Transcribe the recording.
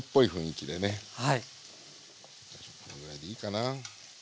このぐらいでいいかな。